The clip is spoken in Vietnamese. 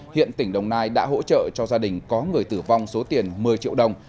hiện tỉnh đồng nai đã hỗ trợ cho gia đình có người tử vong số tiền một mươi triệu đồng